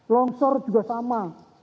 longsor juga sama